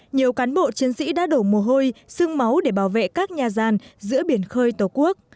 nhiều cán bộ chiến sĩ đã đổ mồ hôi sưng máu để bảo vệ các nhà gian giữa biển khơi tổ quốc